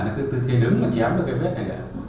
nó cứ tư thế đứng mà chém được cái vết này kìa